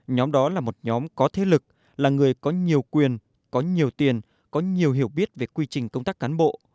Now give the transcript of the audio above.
nhóm đó là một nhóm có thế lực là người có nhiều quyền có nhiều tiền có nhiều hiểu biết về quy trình công tác cán bộ